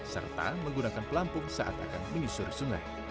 serta menggunakan pelampung saat akan menyusuri sungai